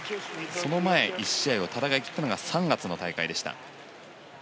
その前、１試合を戦い切ったのが３月の大会でした。